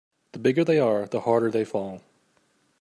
The bigger they are the harder they fall.